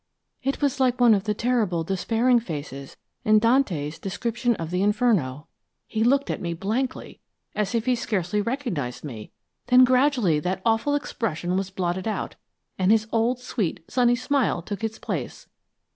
It was like one of the terrible, despairing faces in Dante's description of the Inferno. He looked at me blankly as if he scarcely recognized me; then gradually that awful expression was blotted out, and his old sweet, sunny smile took its place.